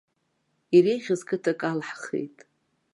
Иреиӷьыз қыҭак алаҳхит.